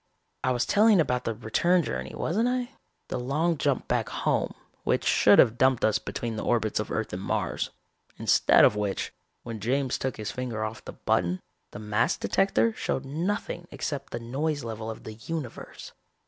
"I was telling about the return journey, wasn't I? The long jump back home, which should have dumped us between the orbits of Earth and Mars. Instead of which, when James took his finger off the button, the mass detector showed nothing except the noise level of the universe.